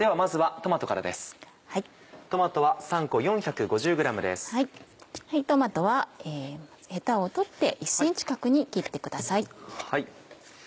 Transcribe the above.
トマトはヘタを取って１ｃｍ角に切ってください。